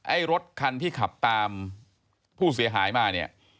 ไอ้รถคันที่ขับตามผู้เสียหายมาเนี่ย